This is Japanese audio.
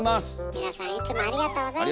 皆さんいつもありがとうございます。